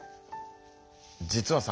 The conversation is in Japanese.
実はさ